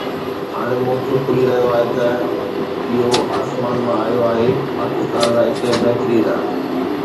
ھاڻي موقعو کُلي رھيو آھي، ۽ اھو آسمان مان آيو آھي، پاڪستان لاءِ ڪنھن بھتريءَ ڏانھن.